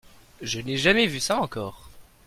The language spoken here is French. Je n'ai jamais vu ça encore.